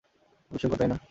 এটা বিস্ময়কর, তাই না?